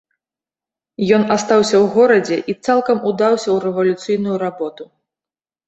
Ён астаўся ў горадзе і цалкам удаўся ў рэвалюцыйную работу.